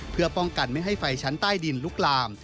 เพื่อป้องกันไม่ให้ไฟชั้นใต้ดินลุกลาม